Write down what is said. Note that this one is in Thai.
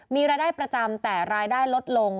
มีรายได้ประจำแต่รายได้ลดลง